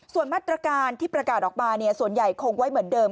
ส่วนมาตรการที่ประกาศออกมาส่วนใหญ่คงไว้เหมือนเดิม